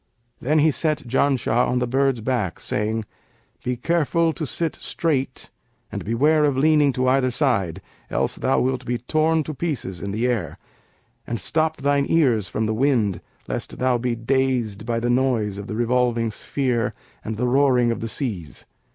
Then he set Janshah on the bird's back, saying, 'Be careful to sit straight and beware of leaning to either side, else thou wilt be torn to pieces in the air; and stop thine ears from the wind, lest thou be dazed by the noise of the revolving sphere and the roaring of the seas.'